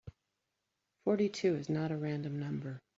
Forty-two is not a random number.